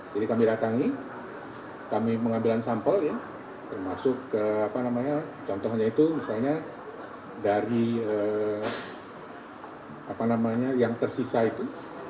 jadi kami datangi kami mengambil sampel termasuk contohnya itu misalnya dari yang tersisa itu